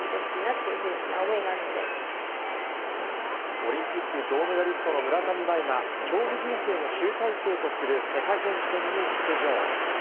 オリンピック銅メダリストの村上茉愛が競技人生の集大成とする世界選手権に出場。